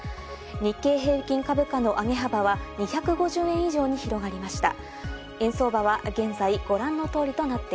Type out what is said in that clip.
日経平均株価の上げ幅は２５０円以上に広がりました。